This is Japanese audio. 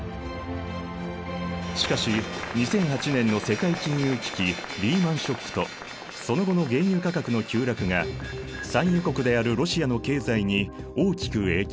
しかし２００８年の世界金融危機リーマン・ショックとその後の原油価格の急落が産油国であるロシアの経済に大きく影響。